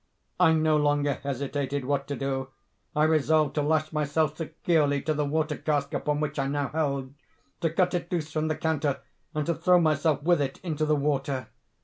"I no longer hesitated what to do. I resolved to lash myself securely to the water cask upon which I now held, to cut it loose from the counter, and to throw myself with it into the water.